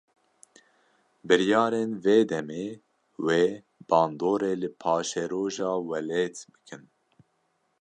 Biryarên vê demê, wê bandorê li paşeroja welêt bikin